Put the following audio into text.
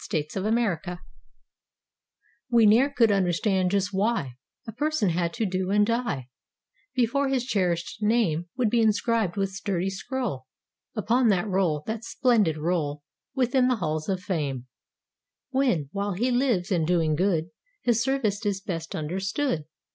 "WHILE WE'RE HERE" We ne'er could understand just why A person had to do and die Before his cherished name Would be inscribed with sturdy scroll Upon that roll—that splendid roll— Within the Halls of Fame; When, while he lives and doing good His service is best understood.